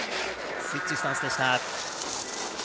スイッチスタンスでした。